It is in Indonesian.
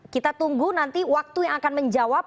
kita tunggu nanti waktu yang akan menjawab